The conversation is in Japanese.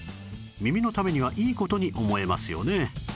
耳のためにはいい事に思えますよね